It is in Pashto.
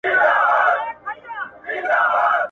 کمپيوټر راپور توليدوي.